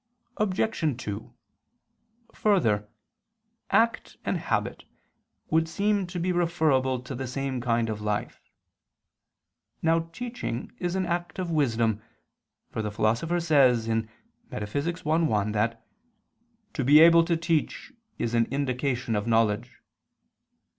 Obj. 2: Further, act and habit would seem to be referable to the same kind of life. Now teaching is an act of wisdom: for the Philosopher says (Metaph. i, 1) that "to be able to teach is an indication of knowledge."